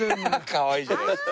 かわいいじゃないですか。